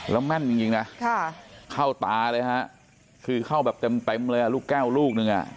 แล้วแม่นจริงนะเข้าตาเลยฮะคือเข้าแบบเต็มเลยอ่ะลูกแก้วลูกนึงอ่ะ